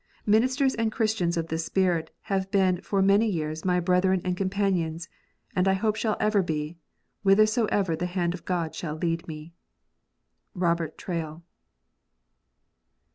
Ministers and Christians of this spirit have been for many years my brethren and companions, and I hope shall ever be, whithersoever the hand of God shall lead me." (ROBERT TRAILL.)